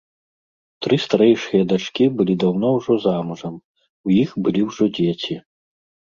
Тры старэйшыя дачкі былі даўно ўжо замужам, у іх былі ўжо дзеці.